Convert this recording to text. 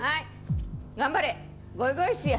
頑張れ、ゴイゴイスーや。